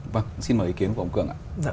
vâng xin mời ý kiến của ông cường ạ